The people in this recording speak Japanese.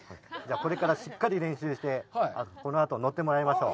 これからしっかり練習して、このあと乗ってもらいましょう。